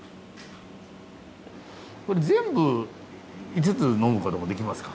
これ全部５つ呑むこともできますか？